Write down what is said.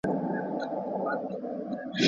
د میرویس مشورو د اصفهان ځینې مقامات وارخطا کړل.